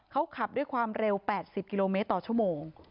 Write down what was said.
เขาขับด้วยความเร็ว๘๐กิโลเมตรต่อชั่วโมง